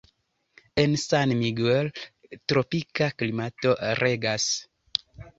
En San Miguel tropika klimato regas.